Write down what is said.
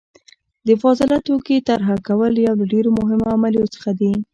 د فاضله توکي طرحه کول یو له ډیرو مهمو عملیو څخه دي.